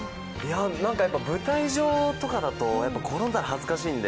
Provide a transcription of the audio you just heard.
なんか、舞台上とかだと転んだら恥ずかしいんで